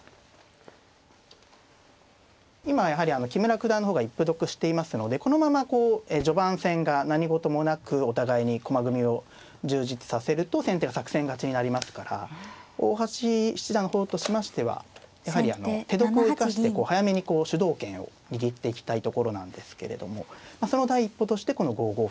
今はやはりあの木村九段の方が一歩得していますのでこのままこう序盤戦が何事もなくお互いに駒組みを充実させると先手が作戦勝ちになりますから大橋七段の方としましてはやはりあの手得を生かして早めにこう主導権を握っていきたいところなんですけれどもその第一歩としてこの５五歩。